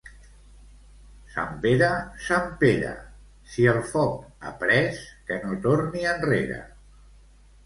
Sant Pere, Sant Pere, si el foc ha pres, que no torni enrere.